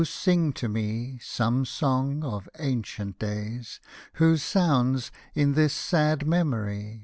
sing to me Some song of ancient days, Whose sounds, in this sad memory.